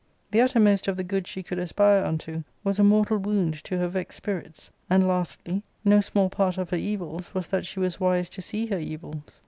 The uttermost of the good she could aspire unto was a mortal wound to her vexed spirits ; and, lastly, no small part of her evils was that she was wise to see her evils.